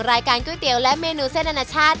รายการก๋วยเตี๋ยวและเมนูเส้นอนาชาติ